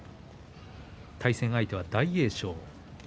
対戦相手は大栄翔。